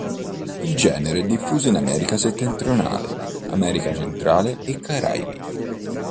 Il genere è diffuso in America Settentrionale, America centrale e Caraibi.